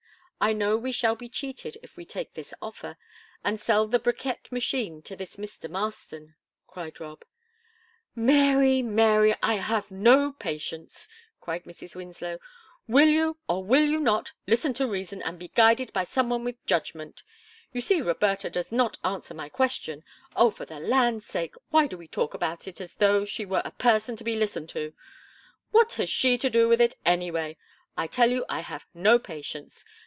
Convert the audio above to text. I know we shall be cheated if we take this offer, and sell the bricquette machine to this Mr. Marston," cried Rob. "Mary, Mary, I have no patience!" cried Mrs. Winslow. "Will you, or will you not, listen to reason and be guided by someone with judgment? You see Roberta does not answer my question! Oh, for the land sakes, why do we talk about it as though she were a person to be listened to? What has she to do with it, anyway? I tell you I have no patience.